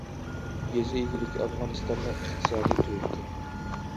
يېزا ئىگىلىكى ئافغانىستاننىڭ ئىقتىسادىي تۈۋرۈكى.